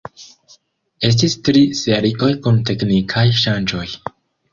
Estis tri serioj kun teknikaj ŝanĝoj.